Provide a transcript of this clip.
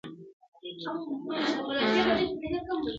وړه خبره سـوه بـبــره نـور بــــه نــــه درځـمه,